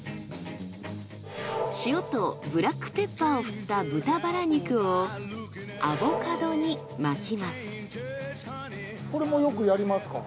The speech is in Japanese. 塩とブラックペッパーを振った豚バラ肉をアボカドに巻きます。